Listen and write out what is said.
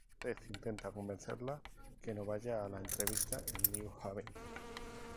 Ted intenta convencerla que no vaya a la entrevista en New Haven.